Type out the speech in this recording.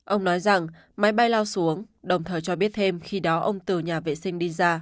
ông nói rằng máy bay lao xuống đồng thời cho biết thêm khi đó ông từ nhà vệ sinh đi ra